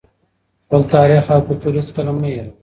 خپل تاریخ او کلتور هېڅکله مه هېروئ.